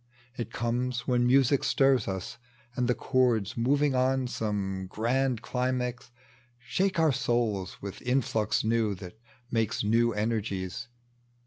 It conies when music stirs us, and the chords Moving on some grand climax shake our souls With influx new that makes now enei^es.